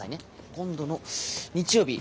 今度の日曜日